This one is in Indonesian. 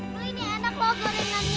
mau beli nih enak loh gorengannya